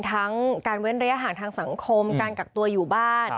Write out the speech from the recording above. ทั้งการเว้นระยะห่างทางสังคมการกักตัวอยู่บ้าน